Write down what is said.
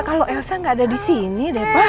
kalau elsa nggak ada di sini deh pak